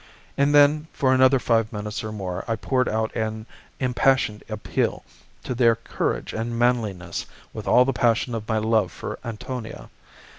And then for another five minutes or more I poured out an impassioned appeal to their courage and manliness, with all the passion of my love for Antonia.